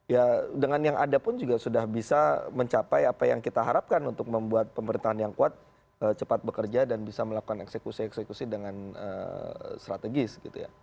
ya dengan yang ada pun juga sudah bisa mencapai apa yang kita harapkan untuk membuat pemerintahan yang kuat cepat bekerja dan bisa melakukan eksekusi eksekusi dengan strategis gitu ya